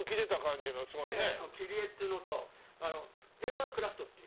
切り絵っていうのとペーパークラフトっていう。